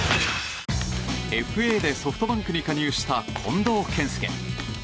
ＦＡでソフトバンクに加入した近藤健介。